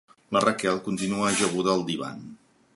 La Raquel continua ajaguda al divan.